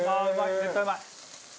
絶対うまい！